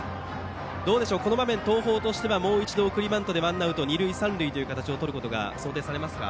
どうでしょう東邦としては送りバントでワンアウト、二塁三塁という形をとることが想定されますか？